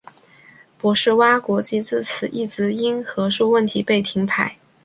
博士蛙国际自此一直因核数问题被停牌。